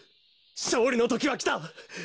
「勝利のときは来た。